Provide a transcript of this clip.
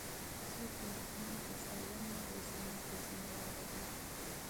څوک د ماشومانو په سالمې روزنې کې مسوول دي؟